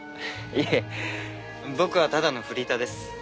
いえ僕はただのフリーターです。